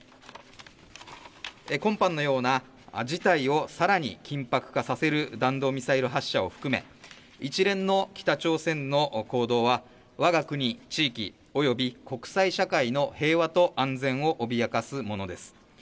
今般のような事態をさらに緊迫化させる弾道ミサイル発射を含め、一連の北朝鮮の行動は、わが国、地域、および国際社会の平和と安全を脅かすものです。